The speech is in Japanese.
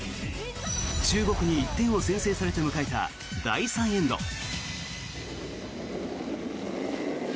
中国に１点を先制されて迎えた第３エンド。